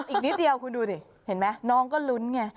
อีกนิดเดียวคุณดูดิเห็นไหมน้องก็ลุ้นไง